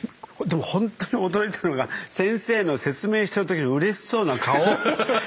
本当に驚いたのが先生の説明してる時のうれしそうな顔。